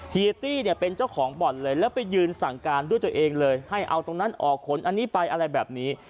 เฮียตี้เนี่ยเป็นเจ้าของบ่อนเลยแล้วไปยืนสั่งการด้วยตัวเองเลยให้เอาตรงนั้นออกขนอันนี้ไปอะไรแบบนี้